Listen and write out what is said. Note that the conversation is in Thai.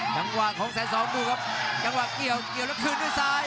จังหวะของแสนสองดูครับจังหวะเกี่ยวเกี่ยวแล้วคืนด้วยซ้าย